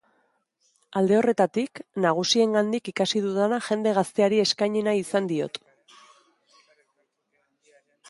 Alde horretatik, nagusiengandik ikasi dudana jende gazteari eskaini nahi izan diot.